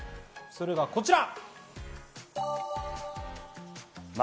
それがこちら！